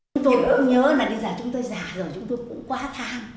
chúng tôi cũng nhớ là chúng tôi già rồi chúng tôi cũng quá tham